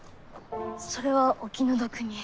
それはお気の毒に。